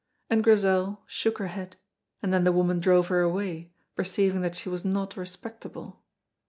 and Grizel shook her head, and then the woman drove her away, perceiving that she was not respectable.